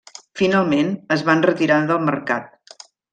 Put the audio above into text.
Finalment, es van retirar del mercat.